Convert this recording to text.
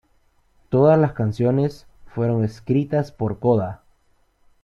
Todas las canciones fueron escritas por Coda.